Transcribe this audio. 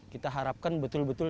kita harapkan betul betul